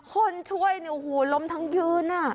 คนช่วยเนี่ยโอ้โหล้มทั้งยืนอ่ะ